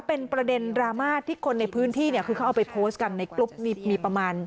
เป็นประเด็นดราม่าที่คนในพื้นที่เนี่ยคือเขาเอาไปโพสต์กันในกรุ๊ปมีประมาณ